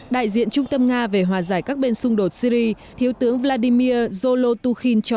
đại diện trung tâm nga về hòa giải các bên xung đột syri thiếu tướng vladimir zolotukin cho